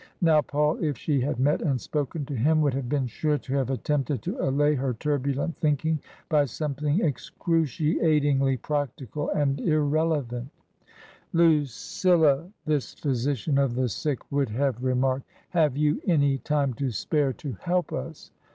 Now, Paul, if she had met and spoken to him, would have been sure to have attempted to allay her turbulent thinking by something excruciatingly practical and irrel evant " Lucilla !" this physician of the sick would have re 17* 198 TRANSITION. marked, " have you any time to spare to help us